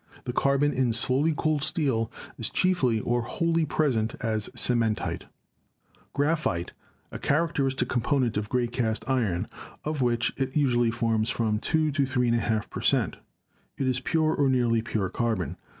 The carbon in slowly cooled steel is chiefly or wholly present as cementite. Graphite, a characteristic component of "gray cast iron," of which it usually forms from 2 to 3.50 per cent. It is pure or nearly pure carbon.